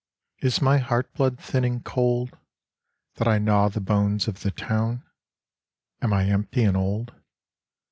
Is my heart blood thin and cold, That I gnaw the bones of the town? Am I empty and old?